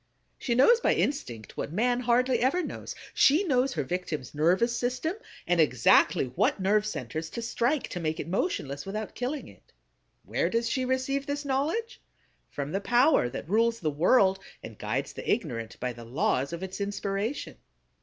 She knows by instinct what man hardly ever knows; she knows her victim's nervous system and exactly what nerve centers to strike to make it motionless without killing it. Where does she receive this knowledge? From the power that rules the world, and guides the ignorant by the laws of its inspiration.